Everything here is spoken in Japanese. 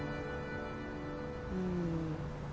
うん。